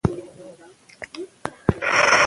پي پي پي د ماشوم زېږون وروسته خپرېږي.